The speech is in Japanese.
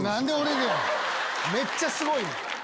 めっちゃすごい。